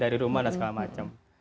dari rumah dan segala macam